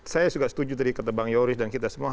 saya juga setuju tadi kata bang yoris dan kita semua